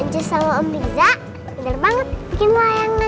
jus sama om riza bener banget bikin layangannya